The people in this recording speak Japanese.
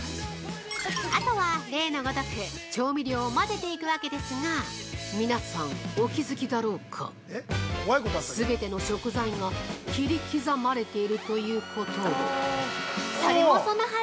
◆あとは例のごとく調味料を混ぜていくわけですが皆さん、お気づきだろうか全ての食材が切り刻まれているということをそれもそのはず！